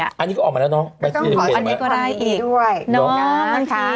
อันนี้ก็ออกมาแล้วน้องอันนี้ก็ได้อีกน้องค่ะ